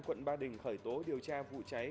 quận ba đình khởi tố điều tra vụ cháy